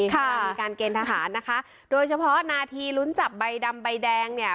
มีการเกณฑ์ทหารนะคะโดยเฉพาะนาทีลุ้นจับใบดำใบแดงเนี่ย